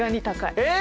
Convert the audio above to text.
えっ！